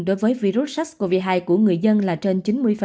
đối với virus sars cov hai của người dân là trên chín mươi